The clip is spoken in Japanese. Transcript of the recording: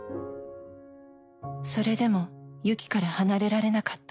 それでも由紀から離れられなかった。